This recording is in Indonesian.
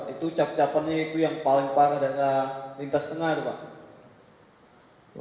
itu cap capannya itu yang paling parah dari lintas tengah itu pak